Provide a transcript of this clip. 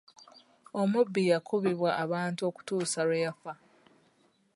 Omubbi yakubibwa abantu okutuusa lwe yafa.